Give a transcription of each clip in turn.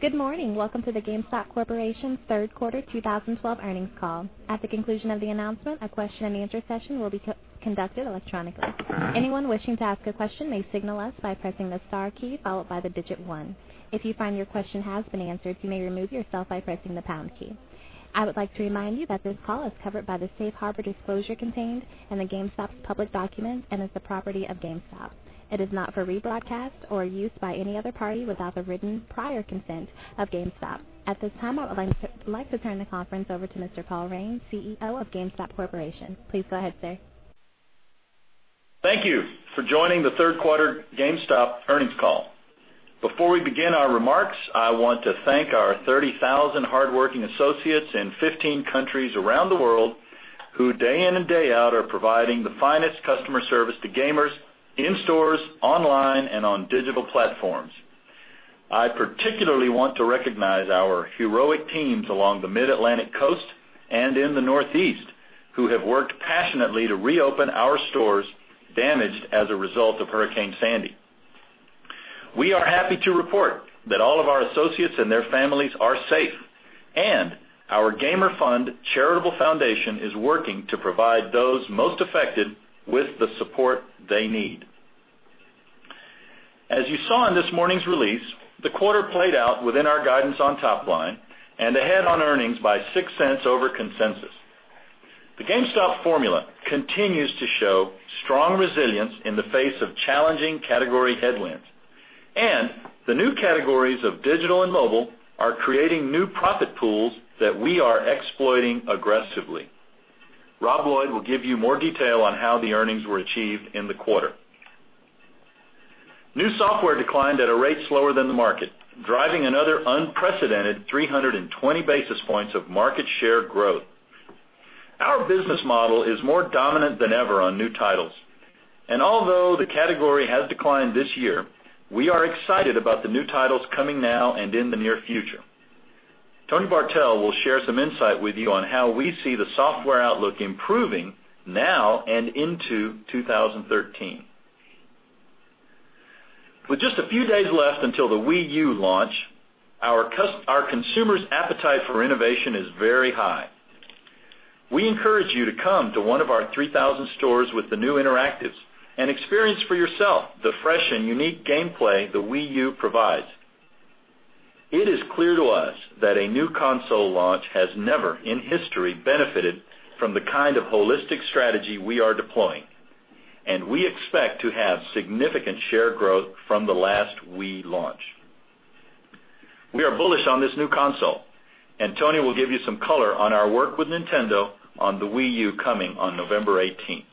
Good morning. Welcome to the GameStop Corp. third quarter 2012 earnings call. At the conclusion of the announcement, a question and answer session will be conducted electronically. Anyone wishing to ask a question may signal us by pressing the star key followed by the digit 1. If you find your question has been answered, you may remove yourself by pressing the pound key. I would like to remind you that this call is covered by the safe harbor disclosure contained in GameStop's public documents and is the property of GameStop. It is not for rebroadcast or use by any other party without the written prior consent of GameStop. At this time, I would like to turn the conference over to Mr. Paul Raines, CEO of GameStop Corp.. Please go ahead, sir. Thank you for joining the third quarter GameStop earnings call. Before we begin our remarks, I want to thank our 30,000 hardworking associates in 15 countries around the world who, day in and day out, are providing the finest customer service to gamers in stores, online, and on digital platforms. I particularly want to recognize our heroic teams along the Mid-Atlantic coast and in the Northeast, who have worked passionately to reopen our stores damaged as a result of Hurricane Sandy. We are happy to report that all of our associates and their families are safe, and our Gamer Fund charitable foundation is working to provide those most affected with the support they need. As you saw in this morning's release, the quarter played out within our guidance on top line and ahead on earnings by $0.06 over consensus. The GameStop formula continues to show strong resilience in the face of challenging category headwinds. The new categories of digital and mobile are creating new profit pools that we are exploiting aggressively. Rob Lloyd will give you more detail on how the earnings were achieved in the quarter. New software declined at a rate slower than the market, driving another unprecedented 320 basis points of market share growth. Our business model is more dominant than ever on new titles. Although the category has declined this year, we are excited about the new titles coming now and in the near future. Tony Bartel will share some insight with you on how we see the software outlook improving now and into 2013. With just a few days left until the Wii U launch, our consumers' appetite for innovation is very high. We encourage you to come to one of our 3,000 stores with the new interactives and experience for yourself the fresh and unique gameplay the Wii U provides. It is clear to us that a new console launch has never in history benefited from the kind of holistic strategy we are deploying. We expect to have significant share growth from the last Wii launch. We are bullish on this new console. Tony will give you some color on our work with Nintendo on the Wii U coming on November 18th.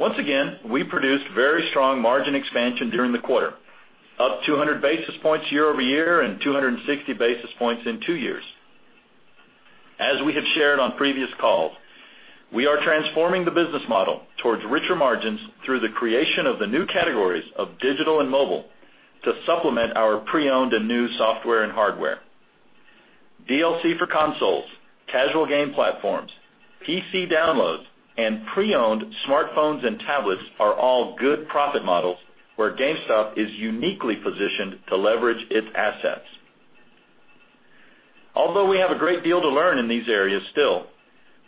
Once again, we produced very strong margin expansion during the quarter, up 200 basis points year-over-year and 260 basis points in two years. As we have shared on previous calls, we are transforming the business model towards richer margins through the creation of the new categories of digital and mobile to supplement our pre-owned and new software and hardware. DLC for consoles, casual game platforms, PC downloads, and pre-owned smartphones and tablets are all good profit models where GameStop is uniquely positioned to leverage its assets. Although we have a great deal to learn in these areas still,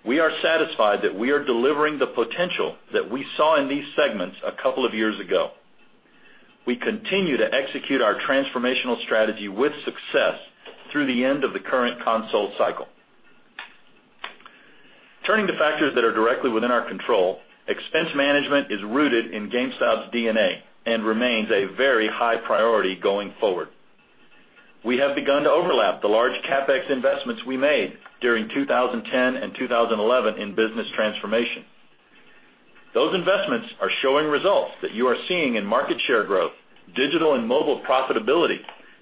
we are satisfied that we are delivering the potential that we saw in these segments a couple of years ago. We continue to execute our transformational strategy with success through the end of the current console cycle. Turning to factors that are directly within our control, expense management is rooted in GameStop's DNA and remains a very high priority going forward. We have begun to overlap the large CapEx investments we made during 2010 and 2011 in business transformation. Those investments are showing results that you are seeing in market share growth, digital and mobile profitability,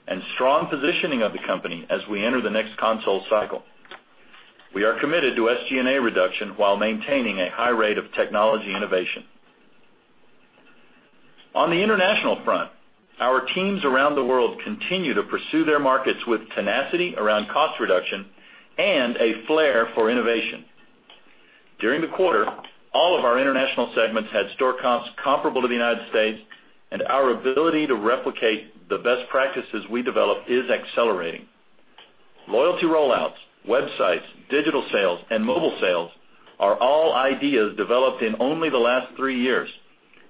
and strong positioning of the company as we enter the next console cycle. We are committed to SG&A reduction while maintaining a high rate of technology innovation. On the international front, our teams around the world continue to pursue their markets with tenacity around cost reduction and a flair for innovation. During the quarter, all of our international segments had store comps comparable to the United States, and our ability to replicate the best practices we develop is accelerating. Loyalty rollouts, websites, digital sales, and mobile sales are all ideas developed in only the last three years,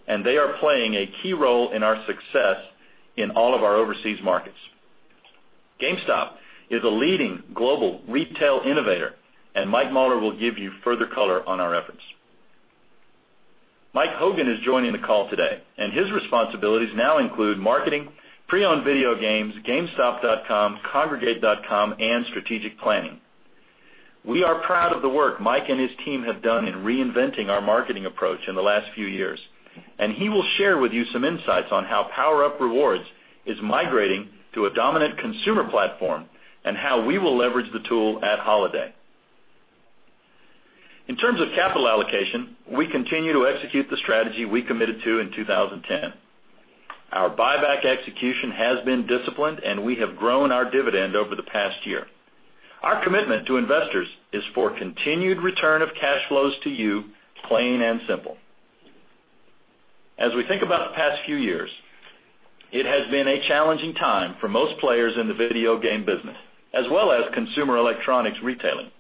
and they are playing a key role in our success in all of our overseas markets. GameStop is a leading global retail innovator, and Mike Mauler will give you further color on our efforts. Mike Hogan is joining the call today, and his responsibilities now include marketing, pre-owned video games, gamestop.com, Kongregate.com, and strategic planning. We are proud of the work Mike and his team have done in reinventing our marketing approach in the last few years, and he will share with you some insights on how PowerUp Rewards is migrating to a dominant consumer platform and how we will leverage the tool at holiday. In terms of capital allocation, we continue to execute the strategy we committed to in 2010. Our buyback execution has been disciplined, and we have grown our dividend over the past year. Our commitment to investors is for continued return of cash flows to you, plain and simple. As we think about the past few years, it has been a challenging time for most players in the video game business, as well as consumer electronics retailing.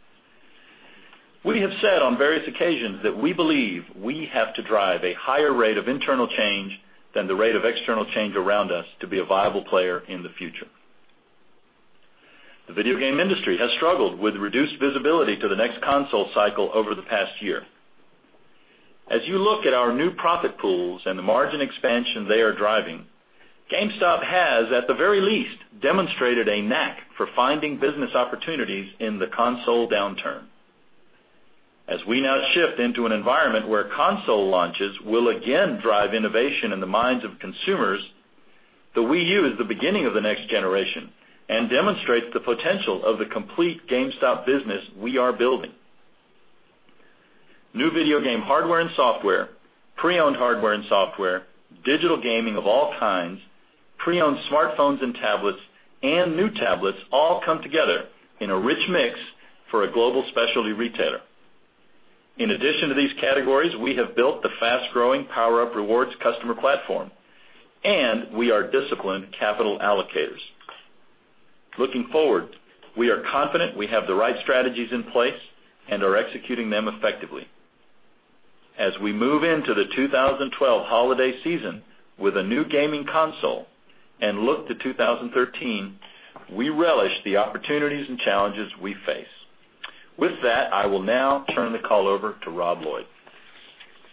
We have said on various occasions that we believe we have to drive a higher rate of internal change than the rate of external change around us to be a viable player in the future. The video game industry has struggled with reduced visibility to the next console cycle over the past year. As you look at our new profit pools and the margin expansion they are driving, GameStop has, at the very least, demonstrated a knack for finding business opportunities in the console downturn. As we now shift into an environment where console launches will again drive innovation in the minds of consumers, the Wii U is the beginning of the next generation and demonstrates the potential of the complete GameStop business we are building. New video game hardware and software, pre-owned hardware and software, digital gaming of all kinds, pre-owned smartphones and tablets, and new tablets all come together in a rich mix for a global specialty retailer. In addition to these categories, we have built the fast-growing PowerUp Rewards customer platform, and we are disciplined capital allocators. Looking forward, we are confident we have the right strategies in place and are executing them effectively. As we move into the 2012 holiday season with a new gaming console and look to 2013, we relish the opportunities and challenges we face. With that, I will now turn the call over to Rob Lloyd.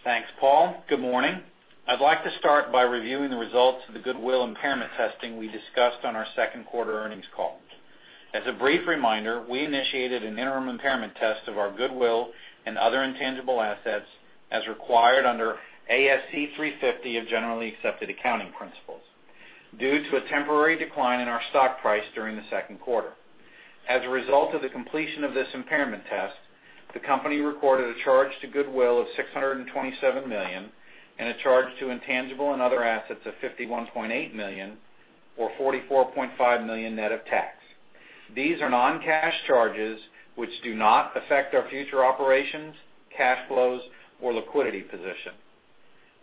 Thanks, Paul. Good morning. I'd like to start by reviewing the results of the goodwill impairment testing we discussed on our second quarter earnings call. As a brief reminder, we initiated an interim impairment test of our goodwill and other intangible assets as required under ASC 350 of Generally Accepted Accounting Principles due to a temporary decline in our stock price during the second quarter. As a result of the completion of this impairment test, the company recorded a charge to goodwill of $627 million and a charge to intangible and other assets of $51.8 million, or $44.5 million net of tax. These are non-cash charges which do not affect our future operations, cash flows, or liquidity position.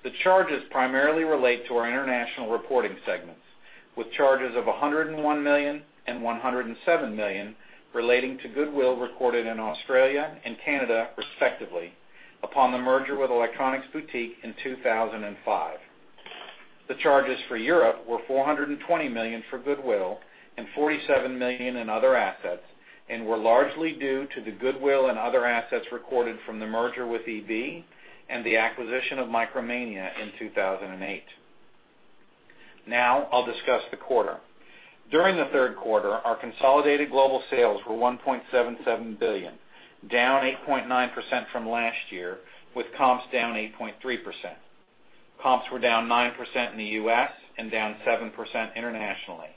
The charges primarily relate to our international reporting segments, with charges of $101 million and $107 million relating to goodwill recorded in Australia and Canada respectively upon the merger with Electronics Boutique in 2005. The charges for Europe were $420 million for goodwill and $47 million in other assets, and were largely due to the goodwill and other assets recorded from the merger with EB and the acquisition of Micromania in 2008. I'll discuss the quarter. During the third quarter, our consolidated global sales were $1.77 billion, down 8.9% from last year, with comps down 8.3%. Comps were down 9% in the U.S. and down 7% internationally.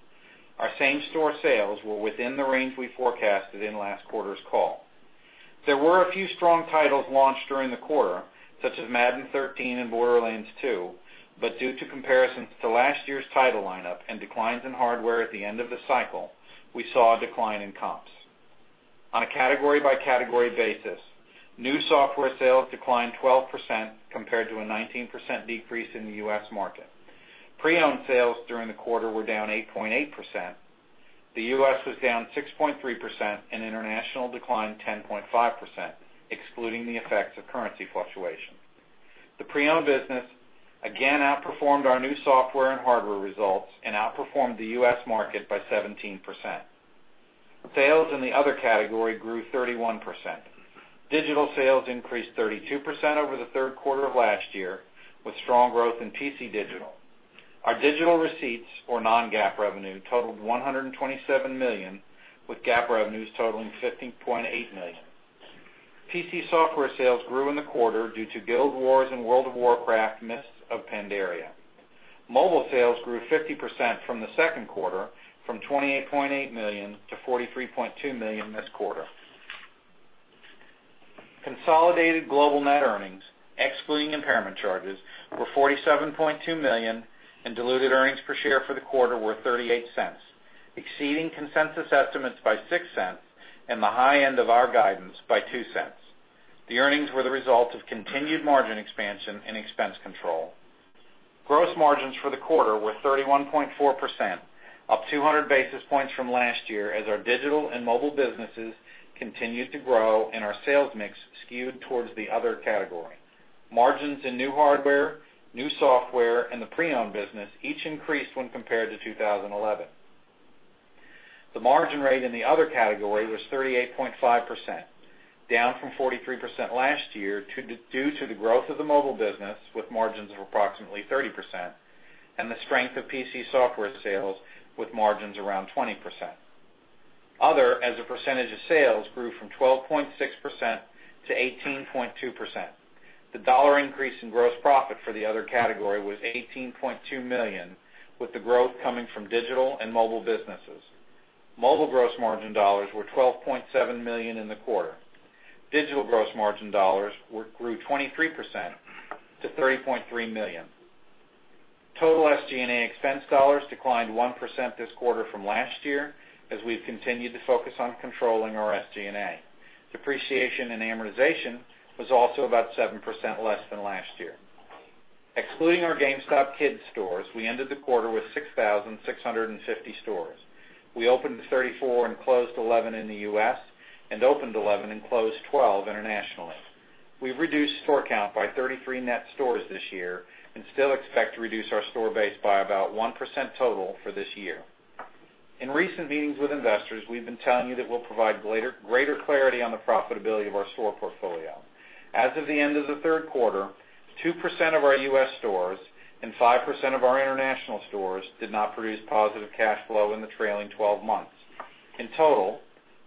Our same-store sales were within the range we forecasted in last quarter's call. There were a few strong titles launched during the quarter, such as "Madden 13" and "Borderlands 2", but due to comparisons to last year's title lineup and declines in hardware at the end of the cycle, we saw a decline in comps. On a category-by-category basis, new software sales declined 12% compared to a 19% decrease in the U.S. market. Pre-owned sales during the quarter were down 8.8%. The U.S. was down 6.3% and international declined 10.5%, excluding the effects of currency fluctuation. The pre-owned business again outperformed our new software and hardware results and outperformed the U.S. market by 17%. Sales in the other category grew 31%. Digital sales increased 32% over the third quarter of last year, with strong growth in PC digital. Our digital receipts for non-GAAP revenue totaled $127 million, with GAAP revenues totaling $15.8 million. PC software sales grew in the quarter due to Guild Wars and World of Warcraft: Mists of Pandaria. Mobile sales grew 50% from the second quarter, from $28.8 million to $43.2 million this quarter. Consolidated global net earnings, excluding impairment charges, were $47.2 million, and diluted earnings per share for the quarter were $0.38, exceeding consensus estimates by $0.06 and the high end of our guidance by $0.02. The earnings were the result of continued margin expansion and expense control. Gross margins for the quarter were 31.4%, up 200 basis points from last year as our digital and mobile businesses continued to grow and our sales mix skewed towards the other category. Margins in new hardware, new software, and the pre-owned business each increased when compared to 2011. The margin rate in the other category was 38.5%, down from 43% last year due to the growth of the mobile business, with margins of approximately 30%, and the strength of PC software sales, with margins around 20%. Other, as a percentage of sales, grew from 12.6% to 18.2%. The dollar increase in gross profit for the other category was $18.2 million, with the growth coming from digital and mobile businesses. Mobile gross margin dollars were $12.7 million in the quarter. Digital gross margin dollars grew 23% to $30.3 million. Total SG&A expense dollars declined 1% this quarter from last year, as we've continued to focus on controlling our SG&A. Depreciation and amortization was also about 7% less than last year. Excluding our GameStop Kids stores, we ended the quarter with 6,650 stores. We opened 34 and closed 11 in the U.S., and opened 11 and closed 12 internationally. We've reduced store count by 33 net stores this year and still expect to reduce our store base by about 1% total for this year. In recent meetings with investors, we've been telling you that we'll provide greater clarity on the profitability of our store portfolio. As of the end of the third quarter, 2% of our U.S. stores and 5% of our international stores did not produce positive cash flow in the trailing 12 months. In total,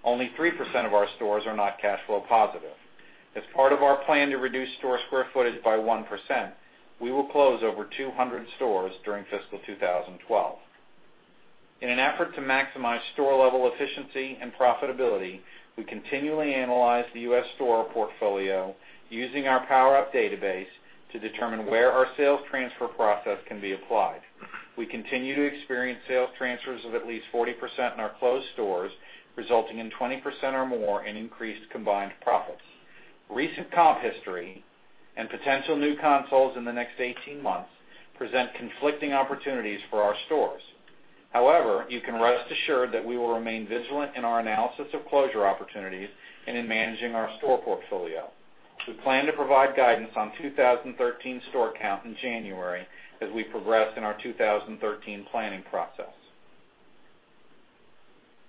only 3% of our stores are not cash flow positive. As part of our plan to reduce store square footage by 1%, we will close over 200 stores during fiscal 2012. In an effort to maximize store-level efficiency and profitability, we continually analyze the U.S. store portfolio using our PowerUp database to determine where our sales transfer process can be applied. We continue to experience sales transfers of at least 40% in our closed stores, resulting in 20% or more in increased combined profits. Recent comp history and potential new consoles in the next 18 months present conflicting opportunities for our stores. You can rest assured that we will remain vigilant in our analysis of closure opportunities and in managing our store portfolio. We plan to provide guidance on 2013 store count in January as we progress in our 2013 planning process.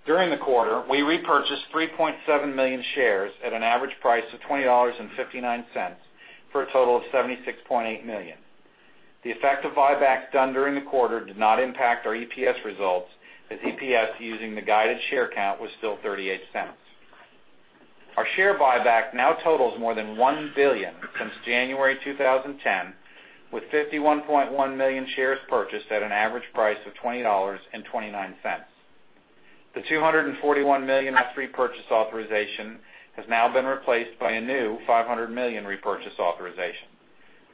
During the quarter, we repurchased 3.7 million shares at an average price of $20.59, for a total of $76.8 million. The effect of buybacks done during the quarter did not impact our EPS results, as EPS using the guided share count was still $0.38. Our share buyback now totals more than 1 billion since January 2010, with 51.1 million shares purchased at an average price of $20.29. The $241 million repurchase authorization has now been replaced by a new $500 million repurchase authorization.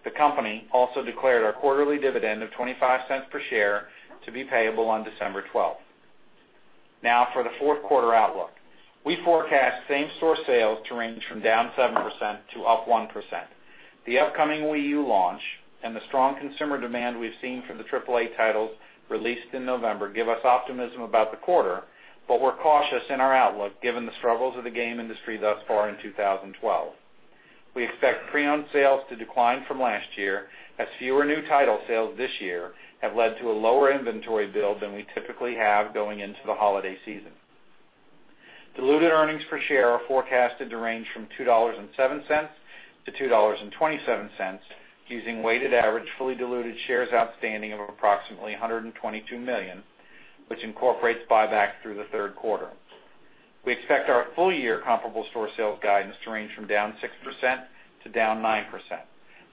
The company also declared our quarterly dividend of $0.25 per share to be payable on December 12th. For the fourth quarter outlook. We forecast same-store sales to range from down 7% to up 1%. The upcoming Wii U launch and the strong consumer demand we've seen from the AAA titles released in November give us optimism about the quarter, we're cautious in our outlook given the struggles of the game industry thus far in 2012. We expect pre-owned sales to decline from last year, as fewer new title sales this year have led to a lower inventory build than we typically have going into the holiday season. Diluted earnings per share are forecasted to range from $2.07-$2.27, using weighted average fully diluted shares outstanding of approximately 122 million, which incorporates buyback through the third quarter. We expect our full-year comparable store sales guidance to range from down 6% to down 9%.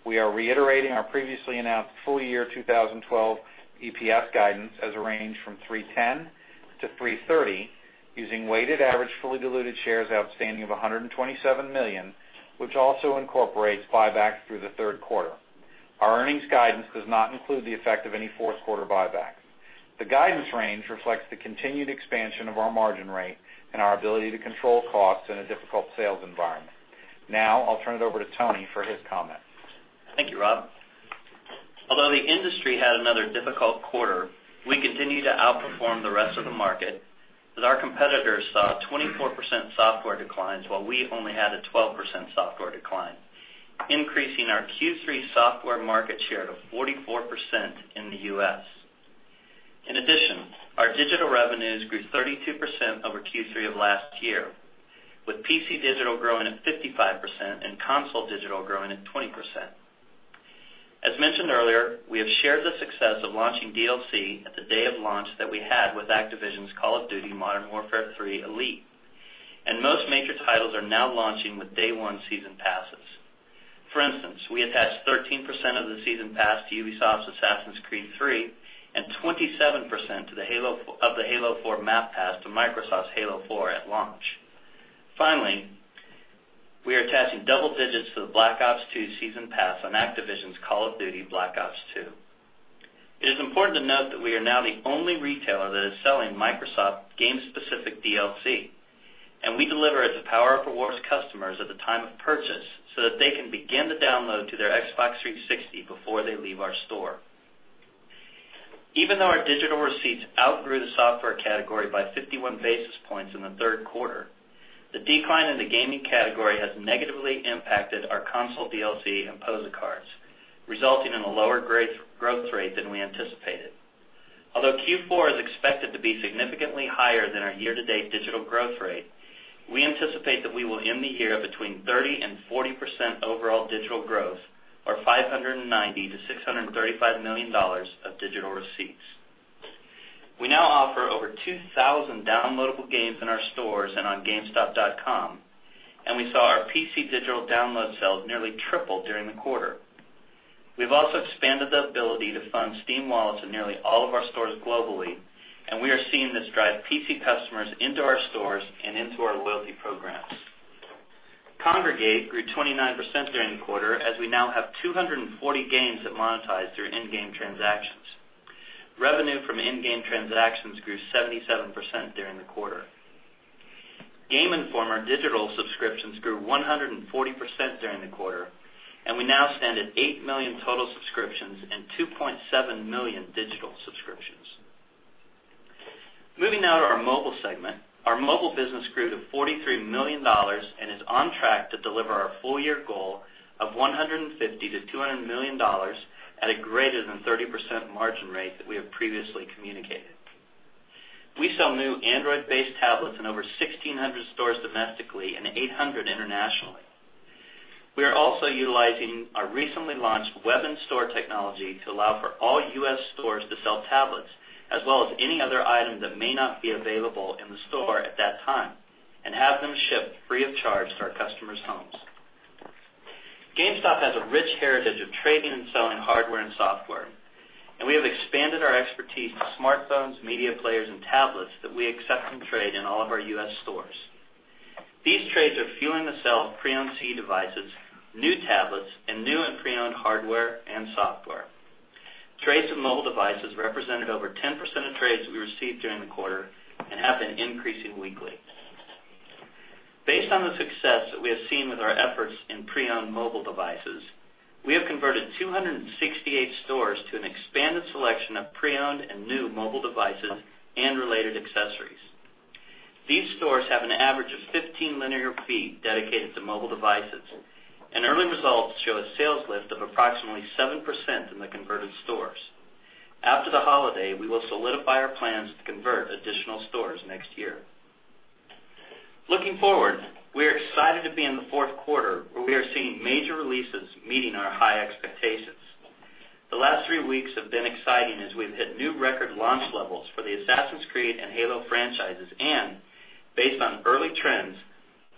We are reiterating our previously announced full-year 2012 EPS guidance as a range from $3.10-$3.30 using weighted average fully diluted shares outstanding of 127 million, which also incorporates buyback through the third quarter. Our earnings guidance does not include the effect of any fourth-quarter buyback. The guidance range reflects the continued expansion of our margin rate and our ability to control costs in a difficult sales environment. I'll turn it over to Tony for his comments. Thank you, Rob. Although the industry had another difficult quarter, we continue to outperform the rest of the market, as our competitors saw 24% software declines while we only had a 12% software decline, increasing our Q3 software market share to 44% in the U.S. In addition, our digital revenues grew 32% over Q3 of last year, with PC digital growing at 55% and console digital growing at 20%. As mentioned earlier, we have shared the success of launching DLC at the day of launch that we had with Activision's "Call of Duty: Modern Warfare 3 ELITE," most major titles are now launching with day one season passes. For instance, we attached 13% of the season pass to Ubisoft's "Assassin's Creed III" and 27% of the "Halo 4" map pass to Microsoft's "Halo 4" at launch. Finally, we are attaching double digits to the "Call of Duty: Black Ops II" season pass on Activision's "Call of Duty: Black Ops II." It is important to note that we are now the only retailer that is selling Microsoft game-specific DLC, we deliver it to PowerUp Rewards customers at the time of purchase so that they can begin to download to their Xbox 360 before they leave our store. Even though our digital receipts outgrew the software category by 51 basis points in the third quarter, the decline in the gaming category has negatively impacted our console DLC and POSA cards, resulting in a lower growth rate than we anticipated. Although Q4 is expected to be significantly higher than our year-to-date digital growth rate, we anticipate that we will end the year at between 30% and 40% overall digital growth or $590 million-$635 million of digital receipts. We now offer over 2,000 downloadable games in our stores and on gamestop.com. We saw our PC digital download sales nearly triple during the quarter. We've also expanded the ability to fund Steam wallets in nearly all of our stores globally. We are seeing this drive PC customers into our stores and into our loyalty programs. Kongregate grew 29% during the quarter as we now have 240 games that monetize through in-game transactions. Revenue from in-game transactions grew 77% during the quarter. Game Informer digital subscriptions grew 140% during the quarter. We now stand at 8 million total subscriptions and 2.7 million digital subscriptions. Moving now to our mobile segment. Our mobile business grew to $43 million and is on track to deliver our full-year goal of $150 million-$200 million, at a greater than 30% margin rate that we have previously communicated. We sell new Android-based tablets in over 1,600 stores domestically and 800 internationally. We are also utilizing our recently launched web and store technology to allow for all U.S. stores to sell tablets, as well as any other item that may not be available in the store at that time, and have them shipped free of charge to our customers' homes. GameStop has a rich heritage of trading and selling hardware and software. We have expanded our expertise to smartphones, media players, and tablets that we accept in trade in all of our U.S. stores. These trades are fueling the sale of pre-owned iDevices, new tablets, and new and pre-owned hardware and software. Trades of mobile devices represented over 10% of trades we received during the quarter and have been increasing weekly. Based on the success that we have seen with our efforts in pre-owned mobile devices, we have converted 268 stores to an expanded selection of pre-owned and new mobile devices and related accessories. These stores have an average of 15 linear feet dedicated to mobile devices. Early results show a sales lift of approximately 7% in the converted stores. After the holiday, we will solidify our plans to convert additional stores next year. Looking forward, we are excited to be in the fourth quarter, where we are seeing major releases meeting our high expectations. The last three weeks have been exciting as we've hit new record launch levels for the Assassin's Creed and Halo franchises. Based on early trends,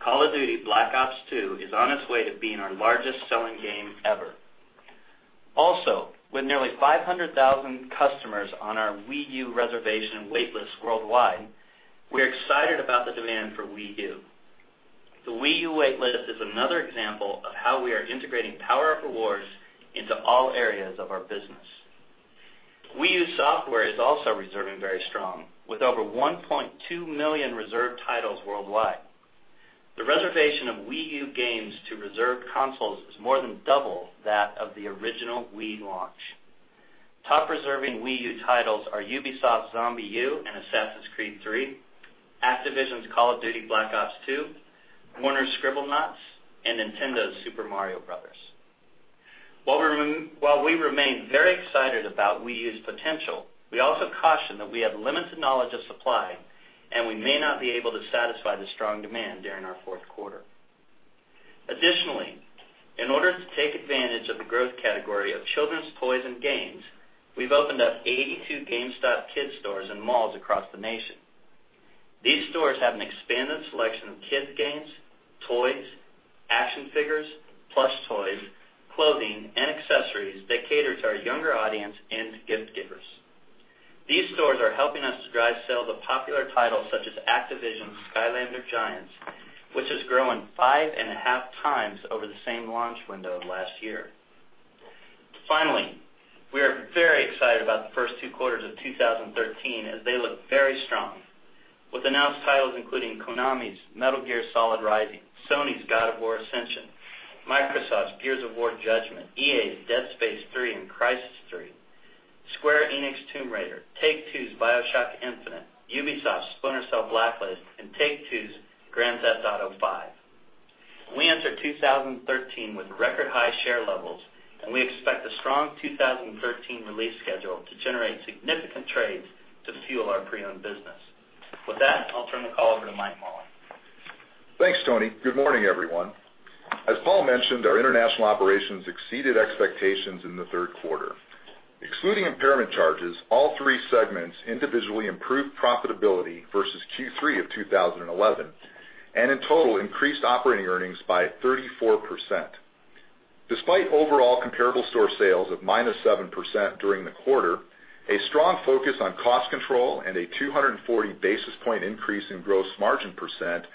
Call of Duty: Black Ops II is on its way to being our largest-selling game ever. With nearly 500,000 customers on our Wii U reservation wait list worldwide, we're excited about the demand for Wii U. The Wii U wait list is another example of how we are integrating PowerUp Rewards into all areas of our business. Wii U software is also reserving very strong, with over 1.2 million reserved titles worldwide. The reservation of Wii U games to reserved consoles is more than double that of the original Wii launch. Top reserving Wii U titles are Ubisoft's ZombiU and Assassin's Creed III, Activision's Call of Duty: Black Ops II, Warner's Scribblenauts, and Nintendo's Super Mario Bros. While we remain very excited about Wii U's potential, we also caution that we have limited knowledge of supply. We may not be able to satisfy the strong demand during our fourth quarter. Additionally, in order to take advantage of the growth category of children's toys and games, we have opened up 82 GameStop Kids stores in malls across the nation. These stores have an expanded selection of kids' games, toys, action figures, plush toys, clothing, and accessories that cater to our younger audience and gift givers. These stores are helping us to drive sales of popular titles such as Activision's Skylanders Giants, which has grown five and a half times over the same launch window last year. Finally, we are very excited about the first two quarters of 2013, as they look very strong. With announced titles including Konami's Metal Gear Rising: Revengeance, Sony's God of War: Ascension, Microsoft's Gears of War: Judgment, EA's Dead Space 3 and Crysis 3, Square Enix's Tomb Raider, Take-Two's BioShock Infinite, Ubisoft's Splinter Cell: Blacklist, and Take-Two's Grand Theft Auto V. We enter 2013 with record-high share levels, we expect a strong 2013 release schedule to generate significant trades to fuel our pre-owned business. With that, I will turn the call over to Mike Mauler. Thanks, Tony. Good morning, everyone. As Paul mentioned, our international operations exceeded expectations in the third quarter. Excluding impairment charges, all three segments individually improved profitability versus Q3 of 2011, in total, increased operating earnings by 34%. Despite overall comparable store sales of -7% during the quarter, a strong focus on cost control and a 240 basis point increase in gross margin percent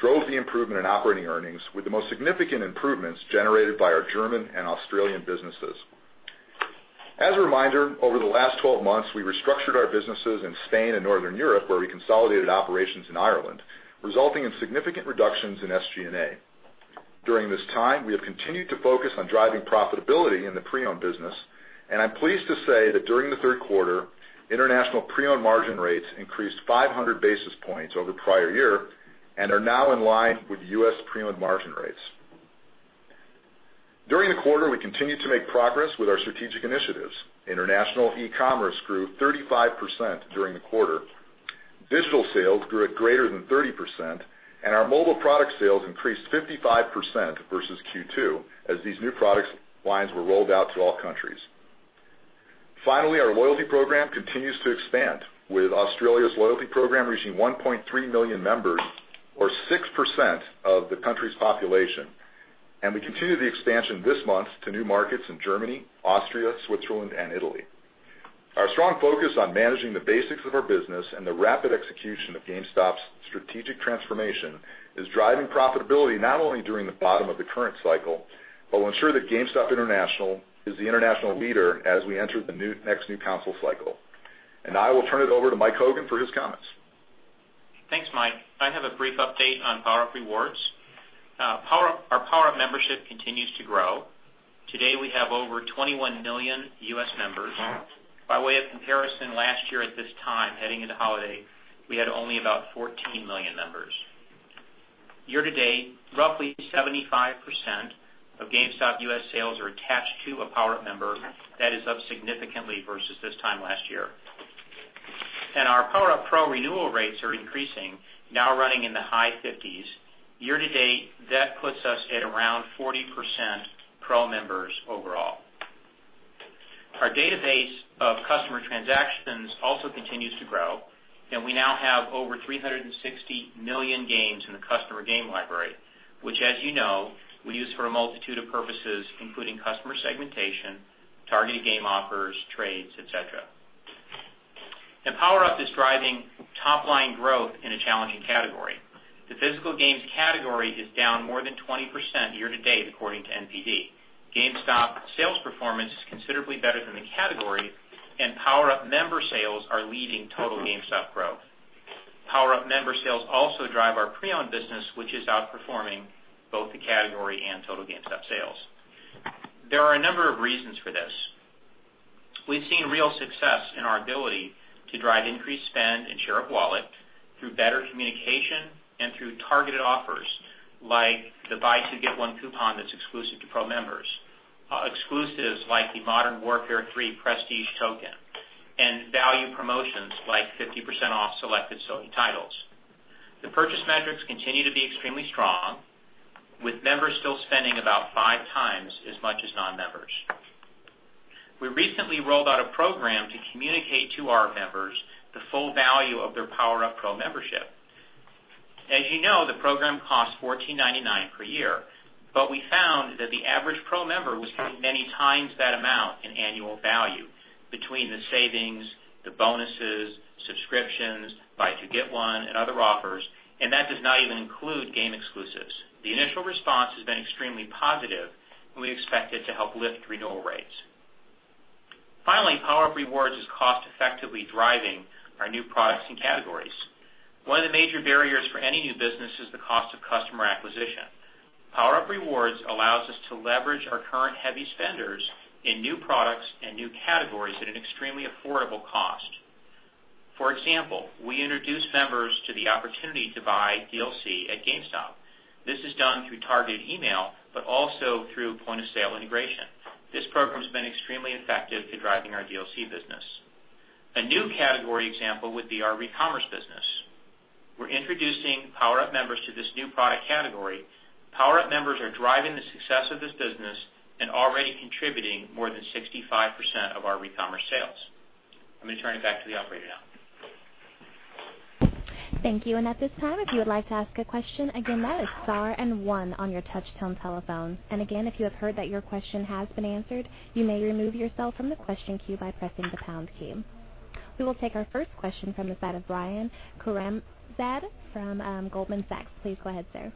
drove the improvement in operating earnings, with the most significant improvements generated by our German and Australian businesses. As a reminder, over the last 12 months, we restructured our businesses in Spain and Northern Europe, where we consolidated operations in Ireland, resulting in significant reductions in SG&A. During this time, we have continued to focus on driving profitability in the pre-owned business, I am pleased to say that during the third quarter, international pre-owned margin rates increased 500 basis points over the prior year and are now in line with U.S. pre-owned margin rates. During the quarter, we continued to make progress with our strategic initiatives. International e-commerce grew 35% during the quarter. Digital sales grew at greater than 30%, our mobile product sales increased 55% versus Q2 as these new product lines were rolled out to all countries. Finally, our loyalty program continues to expand, with Australia's loyalty program reaching 1.3 million members or 6% of the country's population, we continue the expansion this month to new markets in Germany, Austria, Switzerland, and Italy. Our strong focus on managing the basics of our business and the rapid execution of GameStop's strategic transformation is driving profitability not only during the bottom of the current cycle, but will ensure that GameStop International is the international leader as we enter the next new console cycle. Now I will turn it over to Mike Hogan for his comments. Thanks, Mike. I have a brief update on PowerUp Rewards. Our PowerUp membership continues to grow. Today, we have over 21 million U.S. members. By way of comparison, last year at this time, heading into holiday, we had only about 14 million members. Year-to-date, roughly 75% of GameStop U.S. sales are attached to a PowerUp member. That is up significantly versus this time last year. Our PowerUp Pro renewal rates are increasing, now running in the high 50s. Year-to-date, that puts us at around 40% Pro members overall. Our database of customer transactions also continues to grow, and we now have over 360 million games in the customer game library, which, as you know, we use for a multitude of purposes, including customer segmentation, targeted game offers, trades, et cetera. PowerUp is driving top-line growth in a challenging category. The physical games category is down more than 20% year-to-date, according to NPD. GameStop sales performance is considerably better than the category, and PowerUp member sales are leading total GameStop growth. PowerUp member sales also drive our pre-owned business, which is outperforming both the category and total GameStop sales. There are a number of reasons for this. We've seen real success in our ability to drive increased spend and share of wallet through better communication and through targeted offers like the buy two, get one coupon that's exclusive to Pro members, exclusives like the Modern Warfare 3 Prestige token, and value promotions like 50% off selected Sony titles. The purchase metrics continue to be extremely strong, with members still spending about five times as much as non-members. We recently rolled out a program to communicate to our members the full value of their PowerUp Pro membership. As you know, the program costs $14.99 per year. We found that the average Pro member was getting many times that amount in annual value between the savings, the bonuses, subscriptions, buy two, get one, and other offers, and that does not even include game exclusives. The initial response has been extremely positive, and we expect it to help lift renewal rates. Finally, PowerUp Rewards is cost-effectively driving our new products and categories. One of the major barriers for any new business is the cost of customer acquisition. PowerUp Rewards allows us to leverage our current heavy spenders in new products and new categories at an extremely affordable cost. For example, we introduce members to the opportunity to buy DLC at GameStop. This is done through targeted email, but also through point-of-sale integration. This program's been extremely effective to driving our DLC business. A new category example would be our ReCommerce business. We're introducing PowerUp members to this new product category. PowerUp members are driving the success of this business and already contributing more than 65% of our ReCommerce sales. I'm going to turn it back to the operator now. Thank you. At this time, if you would like to ask a question, again, that is star and one on your touchtone telephones. Again, if you have heard that your question has been answered, you may remove yourself from the question queue by pressing the pound key. We will take our first question from the side of Brian Nagel from Oppenheimer. Please go ahead, sir.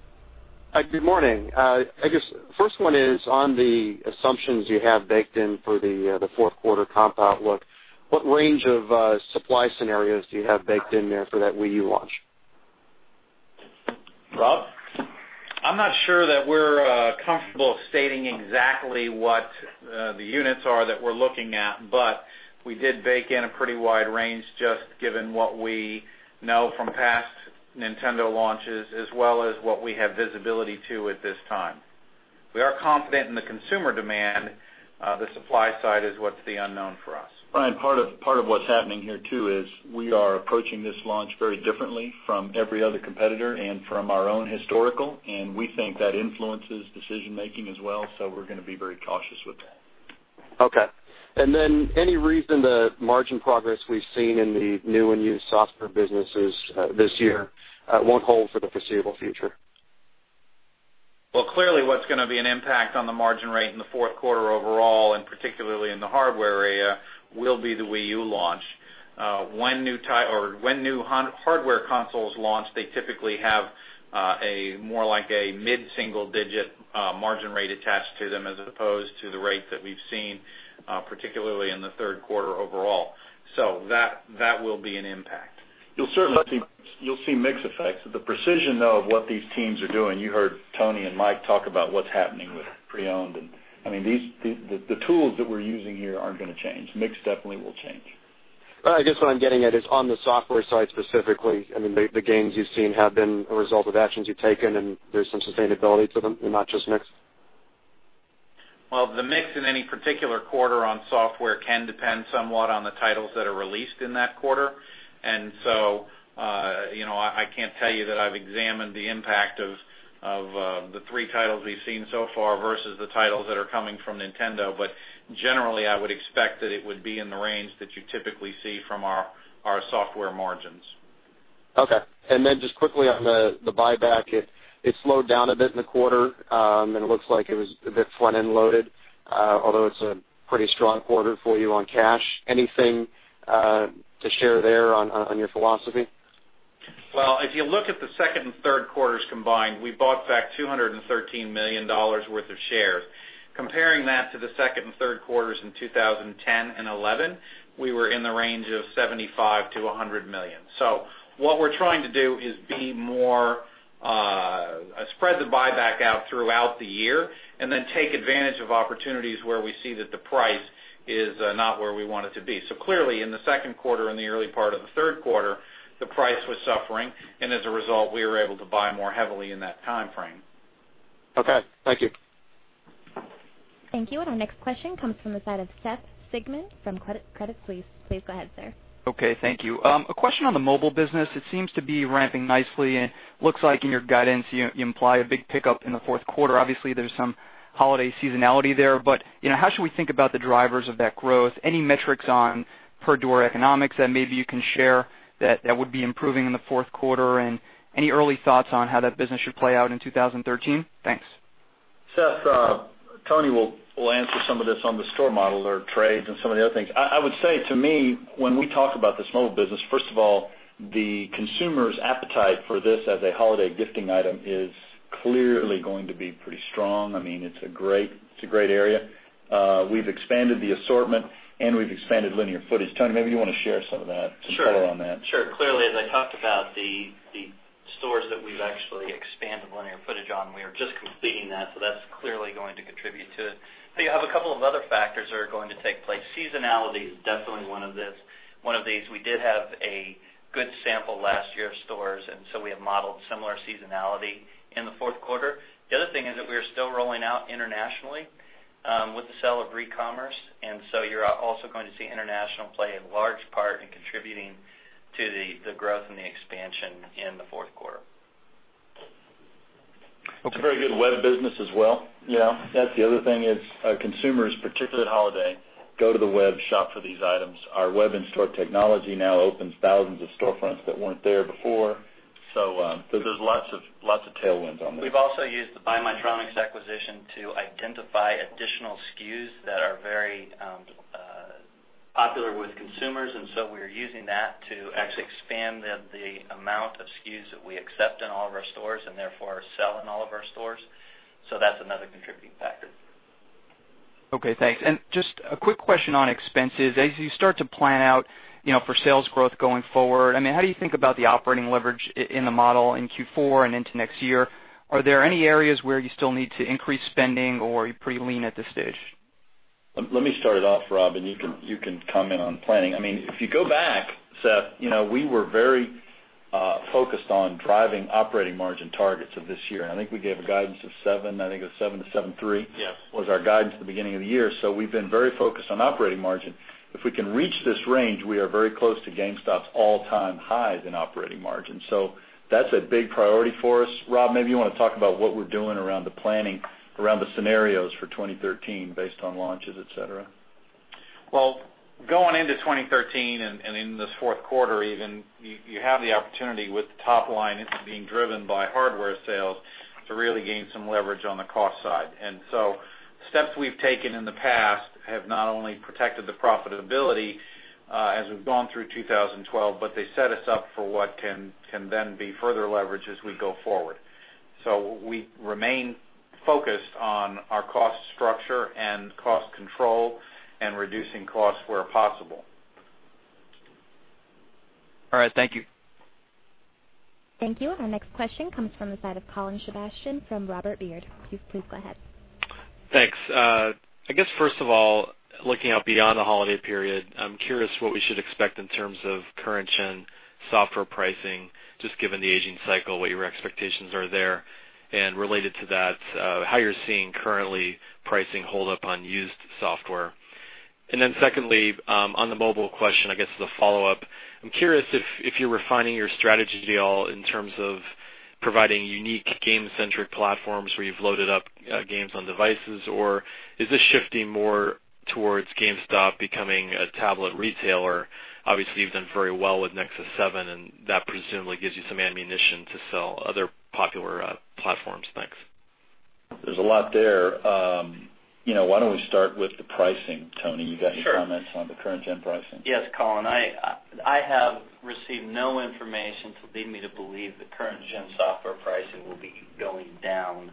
Hi. Good morning. I guess first one is on the assumptions you have baked in for the fourth quarter comp outlook. What range of supply scenarios do you have baked in there for that Wii U launch? Rob? I'm not sure that we're comfortable stating exactly what the units are that we're looking at, we did bake in a pretty wide range just given what we know from past Nintendo launches, as well as what we have visibility to at this time. We are confident in the consumer demand. The supply side is what's the unknown for us. Brian, part of what's happening here, too, is we are approaching this launch very differently from every other competitor and from our own historical, and we think that influences decision-making as well, so we're going to be very cautious with that. Okay. Any reason the margin progress we've seen in the new and used software businesses this year won't hold for the foreseeable future? Well, clearly what's going to be an impact on the margin rate in the fourth quarter overall, and particularly in the hardware area, will be the Wii U launch. When new hardware consoles launch, they typically have more like a mid-single-digit margin rate attached to them as opposed to the rate that we've seen, particularly in the third quarter overall. That will be an impact. You'll see mix effects. The precision, though, of what these teams are doing, you heard Tony and Mike talk about what's happening with pre-owned, and I mean, the tools that we're using here aren't going to change. Mix definitely will change. I guess what I'm getting at is on the software side specifically, I mean, the gains you've seen have been a result of actions you've taken and there's some sustainability to them and not just mix. Well, the mix in any particular quarter on software can depend somewhat on the titles that are released in that quarter. I can't tell you that I've examined the impact of the three titles we've seen so far versus the titles that are coming from Nintendo. Generally, I would expect that it would be in the range that you typically see from our software margins. Okay. Just quickly on the buyback, it slowed down a bit in the quarter, and it looks like it was a bit front-end loaded, although it's a pretty strong quarter for you on cash. Anything to share there on your philosophy? Well, if you look at the second and third quarters combined, we bought back $213 million worth of shares. Comparing that to the second and third quarters in 2010 and 2011, we were in the range of $75 million-$100 million. What we're trying to do is spread the buyback out throughout the year, and then take advantage of opportunities where we see that the price is not where we want it to be. Clearly, in the second quarter and the early part of the third quarter, the price was suffering, and as a result, we were able to buy more heavily in that timeframe. Okay, thank you. Thank you. Our next question comes from the side of Seth Sigman from Credit Suisse. Please go ahead, sir. Okay, thank you. A question on the mobile business. It seems to be ramping nicely and looks like in your guidance, you imply a big pickup in the fourth quarter. Obviously, there's some holiday seasonality there, but how should we think about the drivers of that growth? Any metrics on per-door economics that maybe you can share that would be improving in the fourth quarter? Any early thoughts on how that business should play out in 2013? Thanks. Seth, Tony will answer some of this on the store models or trades and some of the other things. I would say, to me, when we talk about this mobile business, first of all, the consumer's appetite for this as a holiday gifting item is clearly going to be pretty strong. It's a great area. We've expanded the assortment and we've expanded linear footage. Tony, maybe you want to share some of that, some color on that. Sure. Clearly, as I talked about, the stores that we've actually expanded linear footage on, we are just completing that. That's clearly going to contribute to it. You have a couple of other factors that are going to take place. Seasonality is definitely one of these. We did have a good sample last year of stores. We have modeled similar seasonality in the fourth quarter. The other thing is that we are still rolling out internationally with the sale of ReCommerce. You're also going to see international play a large part in contributing to the growth and the expansion in the fourth quarter. Okay. It's a very good web business as well. That's the other thing is, consumers, particularly at holiday, go to the web, shop for these items. Our web in-store technology now opens thousands of storefronts that weren't there before. There's lots of tailwinds on this. We've also used the BuyMyTronics acquisition to identify additional SKUs that are very popular with consumers. We are using that to actually expand the amount of SKUs that we accept in all of our stores, and therefore sell in all of our stores. That's another contributing factor. Okay, thanks. Just a quick question on expenses. As you start to plan out for sales growth going forward, how do you think about the operating leverage in the model in Q4 and into next year? Are there any areas where you still need to increase spending, or are you pretty lean at this stage? Let me start it off, Rob. You can comment on planning. You go back, Seth, we were very focused on driving operating margin targets of this year, and I think we gave a guidance of 7%-7.3% was our guidance at the beginning of the year. We've been very focused on operating margin. If we can reach this range, we are very close to GameStop's all-time highs in operating margin. That's a big priority for us. Rob, maybe you want to talk about what we're doing around the planning, around the scenarios for 2013 based on launches, et cetera. Going into 2013 and in this fourth quarter even, you have the opportunity with the top line being driven by hardware sales to really gain some leverage on the cost side. Steps we've taken in the past have not only protected the profitability as we've gone through 2012, but they set us up for what can then be further leverage as we go forward. We remain focused on our cost structure and cost control and reducing costs where possible. All right. Thank you. Thank you. Our next question comes from the side of Colin Sebastian from Robert Baird. Please go ahead. Thanks. I guess, first of all, looking out beyond the holiday period, I'm curious what we should expect in terms of current gen software pricing, just given the aging cycle, what your expectations are there. Related to that, how you're seeing currently pricing hold up on used software. Secondly, on the mobile question, I guess as a follow-up, I'm curious if you're refining your strategy at all in terms of providing unique game-centric platforms where you've loaded up games on devices, or is this shifting more towards GameStop becoming a tablet retailer? Obviously, you've done very well with Nexus 7, and that presumably gives you some ammunition to sell other popular platforms. Thanks. There's a lot there. Why don't we start with the pricing? Tony, you got any comments on the current gen pricing? Yes, Colin. I have received no information to lead me to believe the current gen software pricing will be going down.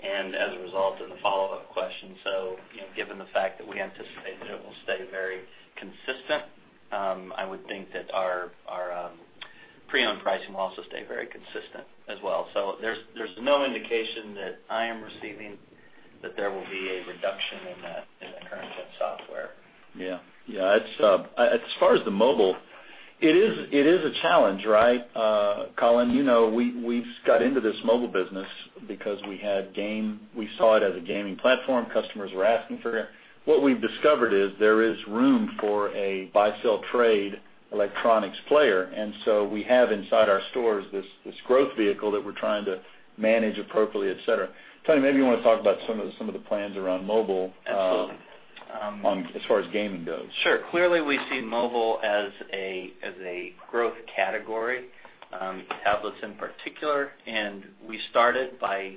As a result of the follow-up question, given the fact that we anticipate that it will stay very consistent, I would think that our pre-owned pricing will also stay very consistent as well. There's no indication that I am receiving that there will be a reduction in the current gen software. Yeah. As far as the mobile, it is a challenge, right, Colin? We got into this mobile business because we saw it as a gaming platform. Customers were asking for it. What we've discovered is there is room for a buy, sell, trade electronics player. We have inside our stores this growth vehicle that we're trying to manage appropriately, et cetera. Tony, maybe you want to talk about some of the plans around mobile. Absolutely. As far as gaming goes. Sure. Clearly, we see mobile as a growth category, tablets in particular, and we started by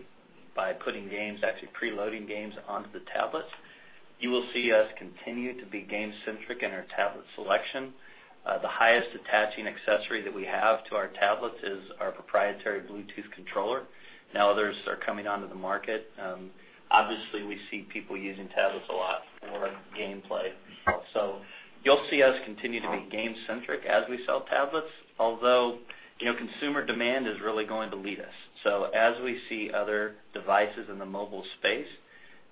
putting games, actually pre-loading games onto the tablets. You will see us continue to be game-centric in our tablet selection. The highest attaching accessory that we have to our tablets is our proprietary Bluetooth controller. Now others are coming onto the market. Obviously, we see people using tablets a lot for gameplay. You'll see us continue to be game-centric as we sell tablets, although consumer demand is really going to lead us. As we see other devices in the mobile space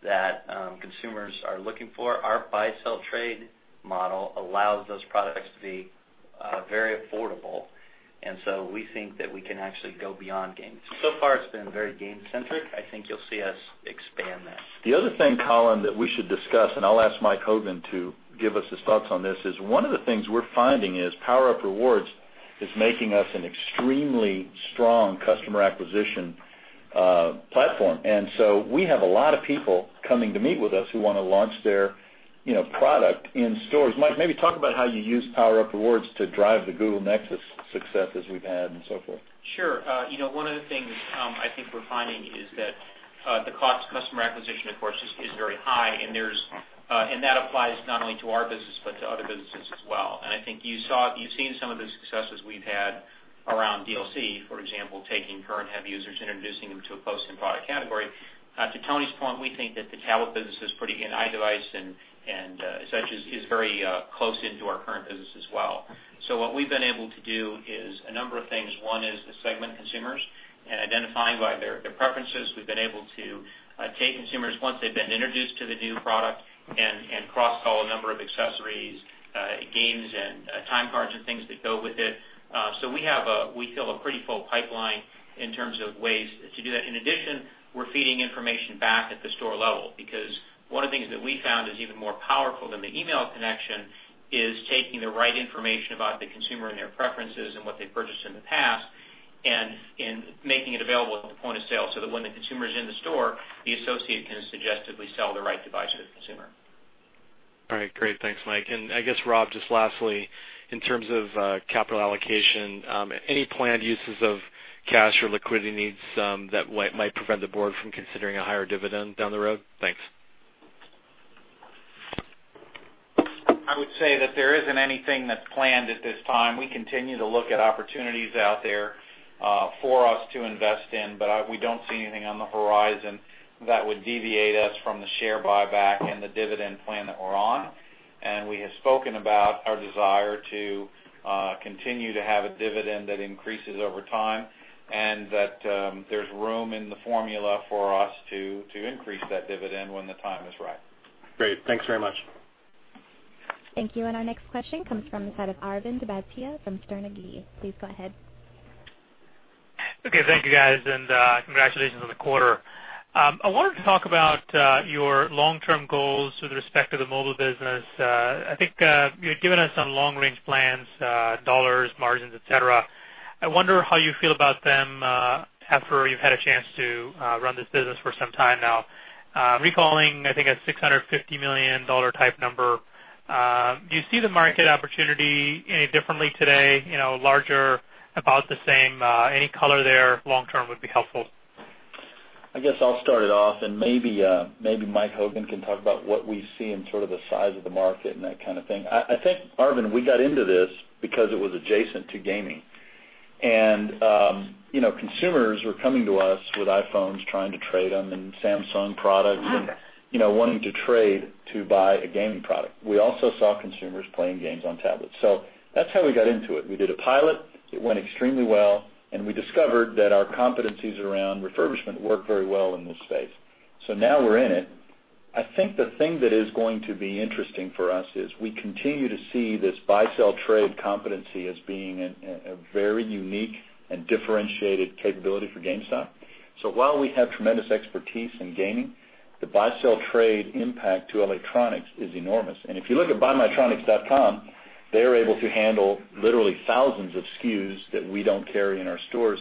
that consumers are looking for, our buy-sell trade model allows those products to be very affordable, and we think that we can actually go beyond games. So far it's been very game-centric. I think you'll see us expand that. The other thing, Colin, that we should discuss, and I'll ask Mike Hogan to give us his thoughts on this, is one of the things we're finding is PowerUp Rewards is making us an extremely strong customer acquisition platform. We have a lot of people coming to meet with us who want to launch their product in stores. Mike, maybe talk about how you use PowerUp Rewards to drive the Google Nexus success as we've had and so forth. Sure. One of the things I think we're finding is that the cost of customer acquisition, of course, is very high, and that applies not only to our business but to other businesses as well. I think you've seen some of the successes we've had around DLC, for example, taking current heavy users, introducing them to a close-in product category. To Tony's point, we think that the tablet business is pretty, and iDevice and such, is very close into our current business as well. What we've been able to do is a number of things. One is to segment consumers and identifying by their preferences. We've been able to take consumers, once they've been introduced to the new product, and cross-sell a number of accessories, games, and time cards and things that go with it. We fill a pretty full pipeline in terms of ways to do that. In addition, we're feeding information back at the store level, because one of the things that we found is even more powerful than the email connection is taking the right information about the consumer and their preferences and what they purchased in the past, and making it available at the point of sale, so that when the consumer is in the store, the associate can suggestively sell the right device to the consumer. All right, great. Thanks, Mike. I guess, Rob, just lastly, in terms of capital allocation, any planned uses of cash or liquidity needs that might prevent the board from considering a higher dividend down the road? Thanks. I would say that there isn't anything that's planned at this time. We continue to look at opportunities out there for us to invest in, we don't see anything on the horizon that would deviate us from the share buyback and the dividend plan that we're on. We have spoken about our desire to continue to have a dividend that increases over time, and that there's room in the formula for us to increase that dividend when the time is right. Great. Thanks very much. Thank you. Our next question comes from the side of Arvind Bhatia from Sterne Agee. Please go ahead. Okay, thank you guys, congratulations on the quarter. I wanted to talk about your long-term goals with respect to the mobile business. I think you've given us some long-range plans, dollars, margins, et cetera. I wonder how you feel about them after you've had a chance to run this business for some time now. Recalling, I think, a $650 million type number, do you see the market opportunity any differently today, larger, about the same? Any color there long term would be helpful. I guess I'll start it off, maybe Mike Hogan can talk about what we see in sort of the size of the market and that kind of thing. I think, Arvind, we got into this because it was adjacent to gaming. Consumers were coming to us with iPhones, trying to trade them, Samsung products, wanting to trade to buy a gaming product. We also saw consumers playing games on tablets. That's how we got into it. We did a pilot, it went extremely well, we discovered that our competencies around refurbishment work very well in this space. Now we're in it. I think the thing that is going to be interesting for us is we continue to see this buy-sell trade competency as being a very unique and differentiated capability for GameStop. While we have tremendous expertise in gaming, the buy-sell trade impact to electronics is enormous. If you look at buymytronics.com, they're able to handle literally thousands of SKUs that we don't carry in our stores.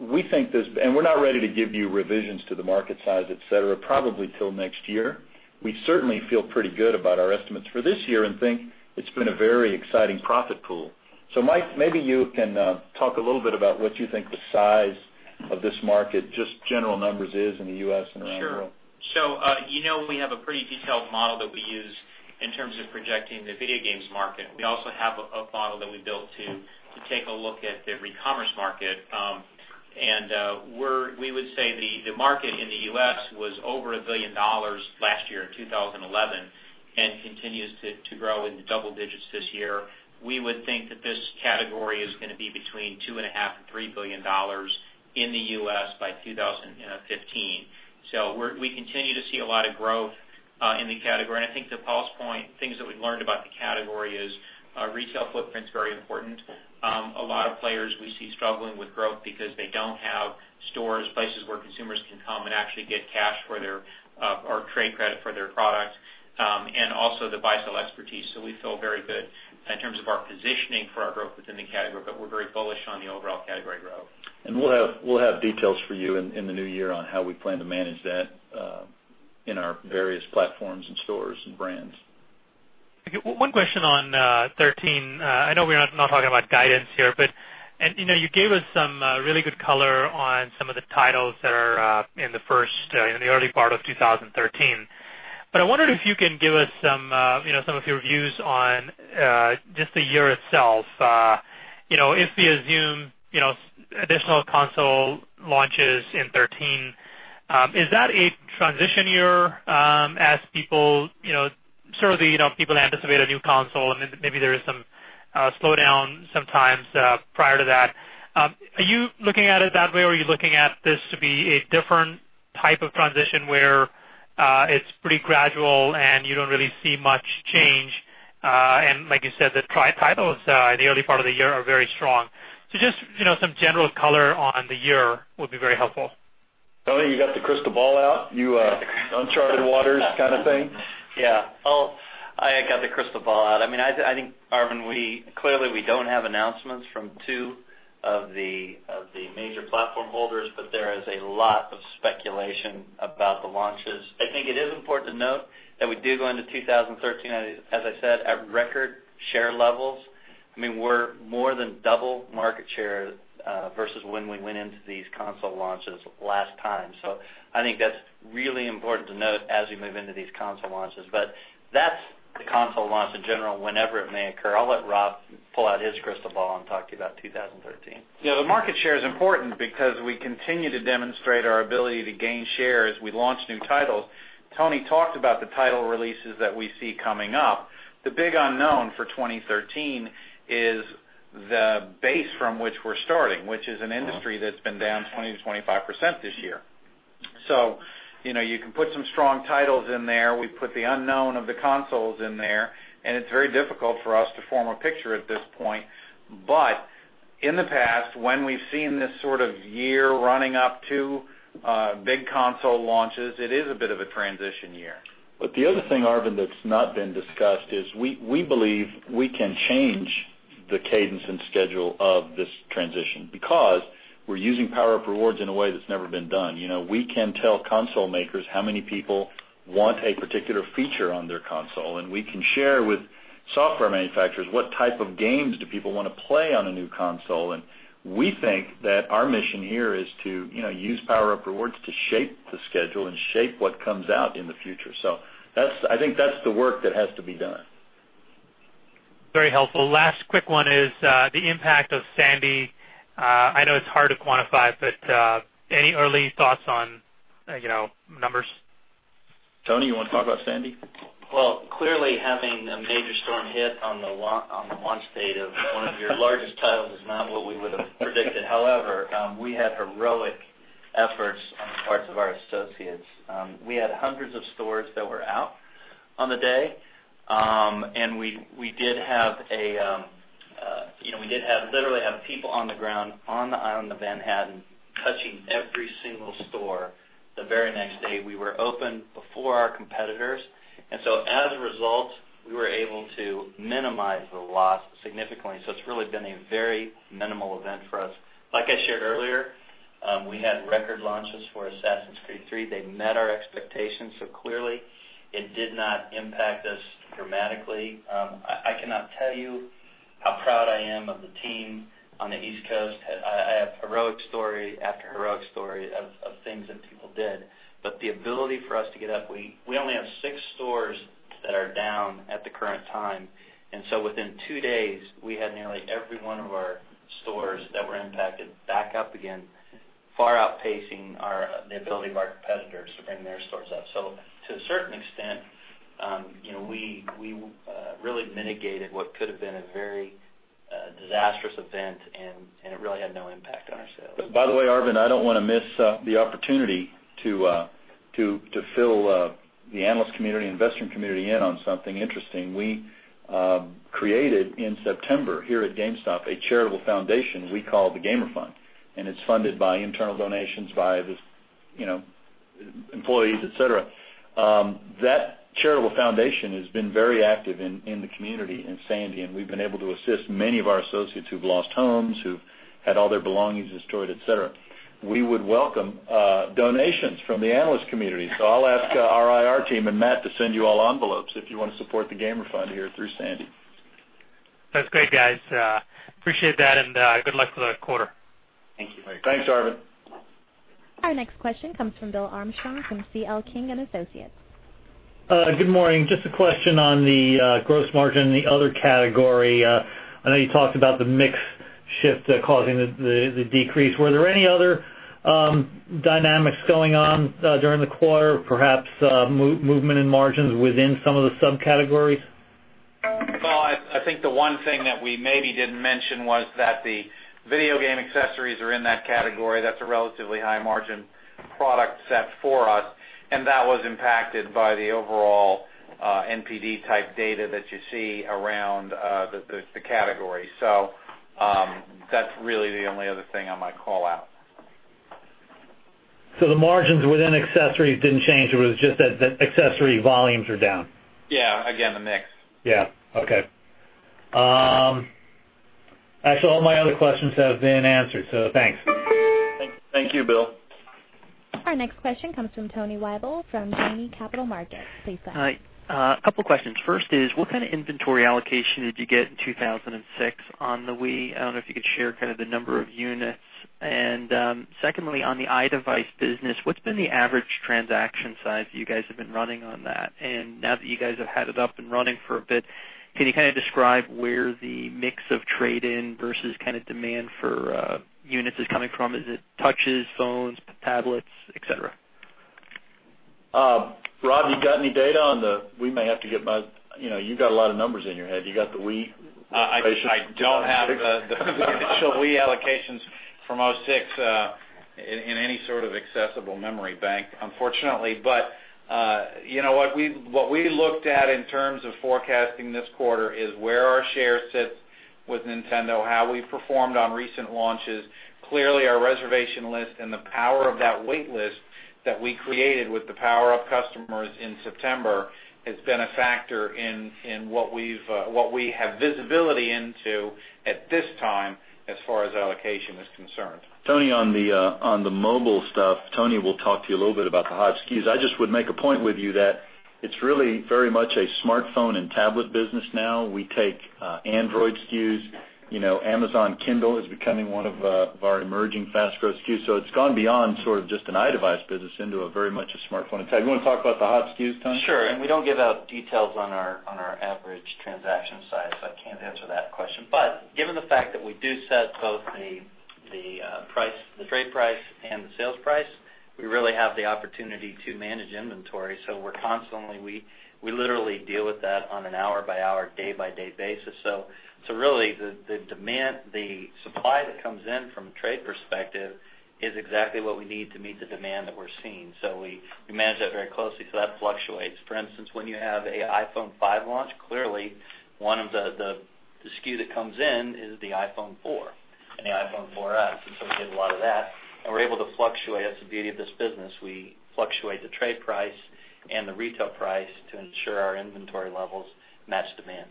We think we're not ready to give you revisions to the market size, et cetera, probably till next year. We certainly feel pretty good about our estimates for this year and think it's been a very exciting profit pool. Mike, maybe you can talk a little bit about what you think the size of this market, just general numbers, is in the U.S. and around the world. You know we have a pretty detailed model that we use in terms of projecting the video games market. We also have a model that we built to take a look at the ReCommerce market. We would say the market in the U.S. was over $1 billion last year in 2011 and continues to grow into double digits this year. We would think that this category is going to be between $2.5 billion and $3 billion in the U.S. by 2015. We continue to see a lot of growth in the category. I think to Paul's point, things that we've learned about the category is retail footprint's very important. A lot of players we see struggling with growth because they don't have stores, places where consumers can come and actually get cash or trade credit for their products. Also the buy sell expertise. We feel very good in terms of our positioning for our growth within the category, we're very bullish on the overall category growth. We'll have details for you in the new year on how we plan to manage that, in our various platforms and stores and brands. Okay. One question on 2013. I know we're not talking about guidance here, you gave us some really good color on some of the titles that are in the early part of 2013. I wondered if you can give us some of your views on just the year itself. If we assume additional console launches in 2013, is that a transition year as people certainly anticipate a new console and maybe there is some slowdown sometimes prior to that. Are you looking at it that way or are you looking at this to be a different type of transition where it's pretty gradual and you don't really see much change? Like you said, the titles in the early part of the year are very strong. Just some general color on the year would be very helpful. Tony, you got the crystal ball out, you uncharted waters kind of thing? Yeah. Well, I got the crystal ball out. I think, Arvind, clearly, we don't have announcements from two of the major platform holders. There is a lot of speculation about the launches. I think it is important to note that we do go into 2013, as I said, at record share levels. We're more than double market share versus when we went into these console launches last time. I think that's really important to note as we move into these console launches. That's the console launch in general, whenever it may occur. I'll let Rob pull out his crystal ball and talk to you about 2013. Yeah. The market share is important because we continue to demonstrate our ability to gain share as we launch new titles. Tony talked about the title releases that we see coming up. The big unknown for 2013 is the base from which we're starting, which is an industry that's been down 20%-25% this year. You can put some strong titles in there. We put the unknown of the consoles in there. It's very difficult for us to form a picture at this point. In the past, when we've seen this sort of year running up to big console launches, it is a bit of a transition year. The other thing, Arvind, that's not been discussed is we believe we can change the cadence and schedule of this transition because we're using PowerUp Rewards in a way that's never been done. We can tell console makers how many people want a particular feature on their console. We can share with software manufacturers what type of games do people want to play on a new console. We think that our mission here is to use PowerUp Rewards to shape the schedule and shape what comes out in the future. I think that's the work that has to be done. Very helpful. Last quick one is, the impact of Hurricane Sandy. I know it's hard to quantify, but any early thoughts on numbers? Tony, you want to talk about Hurricane Sandy? Well, clearly having a major storm hit on the launch date of one of your largest titles is not what we would have predicted. However, we had heroic efforts on the parts of our associates. We had hundreds of stores that were out on the day, and we did literally have people on the ground on the island of Manhattan touching every single store the very next day. We were open before our competitors. As a result, we were able to minimize the loss significantly. It's really been a very minimal event for us. Like I shared earlier, we had record launches for Assassin's Creed III. They met our expectations, clearly it did not impact us dramatically. I cannot tell you how proud I am of the team on the East Coast. I have heroic story after heroic story of things that people did. The ability for us to get up, we only have six stores that are down at the current time. Within two days, we had nearly every one of our stores that were impacted back up again, far outpacing the ability of our competitors to bring their stores up. To a certain extent, we really mitigated what could have been a very disastrous event, and it really had no impact on our sales. By the way, Arvind, I don't want to miss the opportunity to fill the analyst community, investing community in on something interesting. We created in September, here at GameStop, a charitable foundation we call The Gamer Fund, and it's funded by internal donations by employees, et cetera. That charitable foundation has been very active in the community in Sandy, and we've been able to assist many of our associates who've lost homes, who've had all their belongings destroyed, et cetera. We would welcome donations from the analyst community. I'll ask our IR team and Matt to send you all envelopes if you want to support The Gamer Fund here through Sandy. That's great, guys. Appreciate that and good luck for the quarter. Thank you. Thanks, Arvind. Our next question comes from Bill Armstrong from C.L. King & Associates. Good morning. Just a question on the gross margin and the other category. I know you talked about the mix shift causing the decrease. Were there any other dynamics going on during the quarter, perhaps movement in margins within some of the subcategories? Well, I think the one thing that we maybe didn't mention was that the video game accessories are in that category. That's a relatively high margin product set for us, and that was impacted by the overall NPD type data that you see around the category. That's really the only other thing I might call out. The margins within accessories didn't change, it was just that accessory volumes are down. Yeah. Again, the mix. Yeah. Okay. Actually, all my other questions have been answered, thanks. Thank you, Bill. Our next question comes from Tony Wible from Janney Capital Markets. Please go ahead. Hi. A couple questions. First is, what kind of inventory allocation did you get in 2006 on the Wii? I don't know if you could share the number of units. Secondly, on the iDevice business, what's been the average transaction size you guys have been running on that? Now that you guys have had it up and running for a bit, can you describe where the mix of trade-in versus demand for units is coming from? Is it touches, phones, tablets, et cetera? Rob, you've got a lot of numbers in your head. You got the Wii allocations? I don't have the initial Wii allocations from 2006 in any sort of accessible memory bank, unfortunately. What we looked at in terms of forecasting this quarter is where our share sits with Nintendo, how we performed on recent launches. Clearly, our reservation list and the power of that wait list that we created with the PowerUp customers in September has been a factor in what we have visibility into at this time, as far as allocation is concerned. Tony, on the mobile stuff, Tony will talk to you a little bit about the hot SKUs. I just would make a point with you that it's really very much a smartphone and tablet business now. We take Android SKUs. Amazon Kindle is becoming one of our emerging fast-growth SKUs. It's gone beyond just an iDevice business into a very much a smartphone and tab. You want to talk about the hot SKUs, Tony? Sure. We don't give out details on our average transaction size, so I can't answer that question. Given the fact that we do set both the trade price and the sales price, we really have the opportunity to manage inventory. We literally deal with that on an hour-by-hour, day-by-day basis. Really, the supply that comes in from a trade perspective is exactly what we need to meet the demand that we're seeing. We manage that very closely. That fluctuates. For instance, when you have an iPhone 5 launch, clearly, one of the SKUs that comes in is the iPhone 4 and the iPhone 4S. We get a lot of that, and we're able to fluctuate. That's the beauty of this business. We fluctuate the trade price and the retail price to ensure our inventory levels match demand.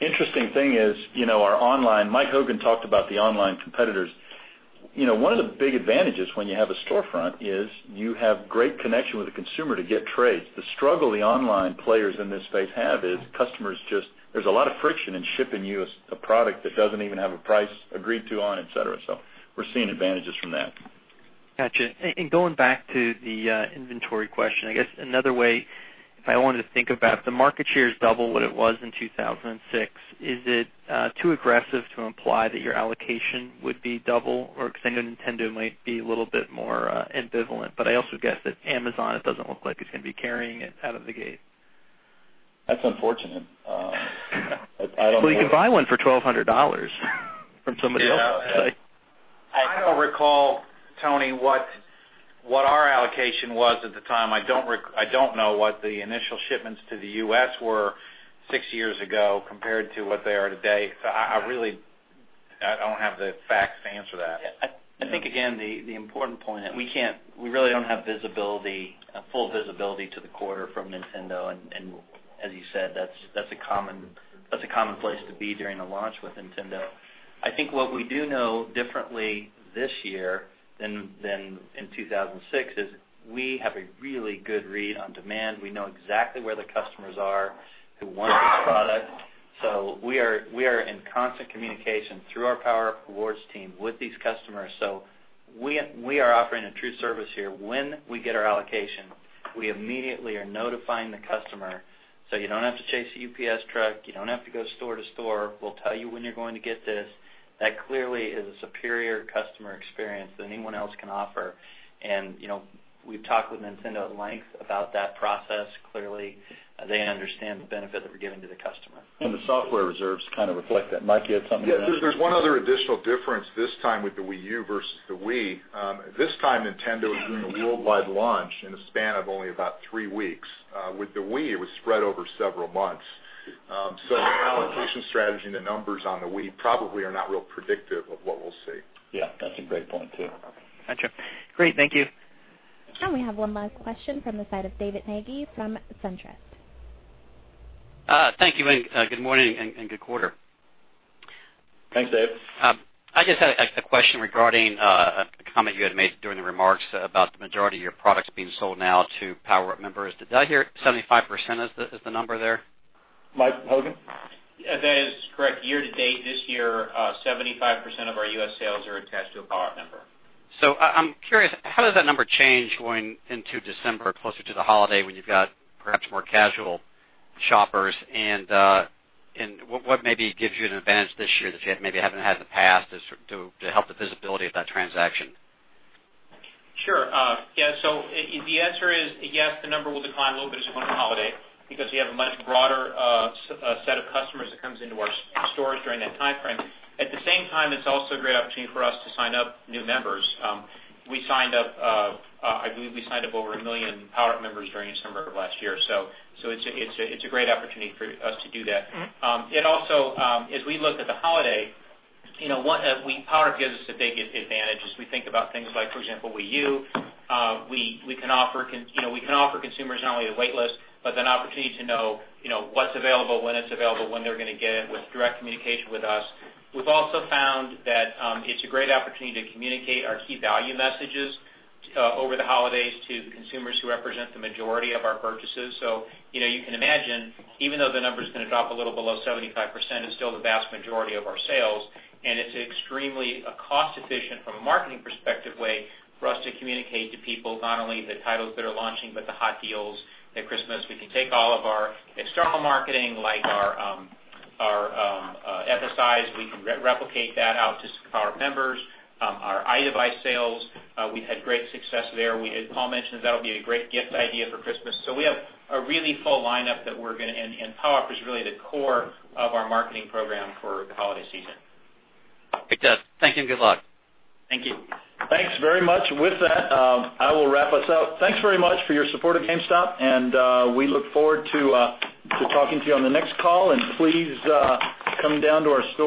Interesting thing is Mike Hogan talked about the online competitors. One of the big advantages when you have a storefront is you have great connection with the consumer to get trades. The struggle the online players in this space have is there's a lot of friction in shipping you a product that doesn't even have a price agreed to on, et cetera. We're seeing advantages from that. Got you. Going back to the inventory question, I guess another way, if I wanted to think about the market share is double what it was in 2006, is it too aggressive to imply that your allocation would be double? Because I know Nintendo might be a little bit more ambivalent, but I also guess that Amazon doesn't look like it's going to be carrying it out of the gate. That's unfortunate. I don't know. Well, you can buy one for $1,200 from somebody else's site. I don't recall, Tony, what our allocation was at the time. I don't know what the initial shipments to the U.S. were six years ago compared to what they are today. I really don't have the facts to answer that. I think, again, the important point, we really don't have full visibility to the quarter from Nintendo. As you said, that's a common place to be during a launch with Nintendo. I think what we do know differently this year than in 2006 is we have a really good read on demand. We know exactly where the customers are who want this product. We are in constant communication through our PowerUp Rewards team with these customers. We are offering a true service here. When we get our allocation, we immediately are notifying the customer so you don't have to chase a UPS truck. You don't have to go store to store. We'll tell you when you're going to get this. That clearly is a superior customer experience than anyone else can offer. We've talked with Nintendo at length about that process. Clearly, they understand the benefit that we're giving to the customer. The software reserves kind of reflect that. Mike, you had something there? Yes. There's one other additional difference this time with the Wii U versus the Wii. This time, Nintendo is doing a worldwide launch in the span of only about three weeks. With the Wii, it was spread over several months. The allocation strategy and the numbers on the Wii probably are not real predictive of what we'll see. Yeah, that's a great point, too. Got you. Great. Thank you. We have one last question from the side of David Nagy from Centricus. Thank you, good morning, good quarter. Thanks, Dave. I just had a question regarding a comment you had made during the remarks about the majority of your products being sold now to PowerUp members. Did I hear 75% is the number there? Mike Hogan? That is correct. Year to date this year, 75% of our U.S. sales are attached to a PowerUp member. I'm curious, how does that number change going into December, closer to the holiday, when you've got perhaps more casual shoppers? What maybe gives you an advantage this year that you maybe haven't had in the past to help the visibility of that transaction? Sure. Yeah. The answer is yes, the number will decline a little bit as a winter holiday because you have a much broader set of customers that comes into our stores during that timeframe. At the same time, it's also a great opportunity for us to sign up new members. I believe we signed up over 1 million PowerUp members during December of last year. It's a great opportunity for us to do that. Also, as we look at the holiday, PowerUp gives us a big advantage as we think about things like, for example, Wii U. We can offer consumers not only a wait list, but an opportunity to know what's available, when it's available, when they're going to get it with direct communication with us. We've also found that it's a great opportunity to communicate our key value messages over the holidays to the consumers who represent the majority of our purchases. You can imagine, even though the number is going to drop a little below 75%, it's still the vast majority of our sales, and it's extremely a cost-efficient from a marketing perspective way for us to communicate to people not only the titles that are launching, but the hot deals at Christmas. We can take all of our external marketing, like our FSIs, we can replicate that out to PowerUp members. Our iDevice sales, we've had great success there. As Paul mentioned, that'll be a great gift idea for Christmas. We have a really full lineup, and PowerUp is really the core of our marketing program for the holiday season. It does. Thank you. Good luck. Thank you. Thanks very much. With that, I will wrap us out. Thanks very much for your support of GameStop, and we look forward to talking to you on the next call. Please come down to our stores.